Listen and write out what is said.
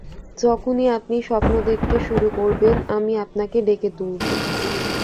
যখনই আপনি স্বপ্ন দেখতে শুরু করবেন, আমি আপনাকে ডেকে তুলব।